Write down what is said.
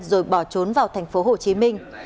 rồi bỏ trốn vào thành phố hồ chí minh